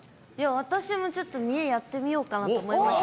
私もちょっと見得やってみようかなと思いました。